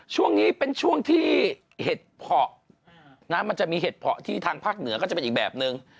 ช่วงนี้เป็นช่วงที่เห็ดเพาะมันจะมีเห็ดเพาะที่ทางภาคเหนือก็จะเป็นอีกแบบนึง